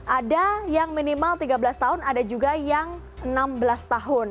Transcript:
ada yang minimal tiga belas tahun ada juga yang enam belas tahun